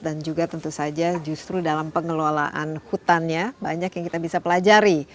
dan juga tentu saja justru dalam pengelolaan hutannya banyak yang kita bisa pelajari